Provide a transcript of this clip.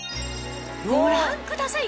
ご覧ください